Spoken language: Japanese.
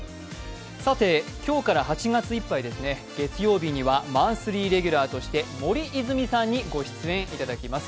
さて、今日から８月いっぱい、月曜日にはマンスリーレギュラーとして森泉さんにお越しいただきます。